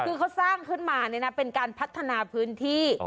คือเขาสร้างขึ้นมาเป็นการพัฒนาพื้นที่